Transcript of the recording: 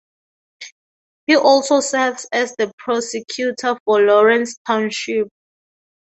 He also serves as the prosecutor for Lawrence Township.